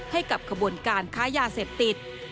ให้กับขบวนการค้ายาเสพติด